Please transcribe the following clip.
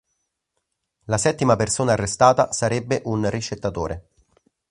La settima persona arrestata sarebbe un ricettatore.